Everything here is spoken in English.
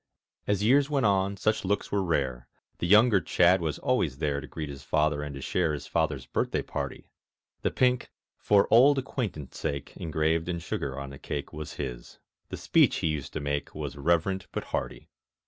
As years went on such looks were rare; The younger Chadd was always there To greet his father and to share His father's birthday party; The pink "For auld acquaintance sake" Engraved in sugar on the cake Was his. The speech he used to make Was reverent but hearty.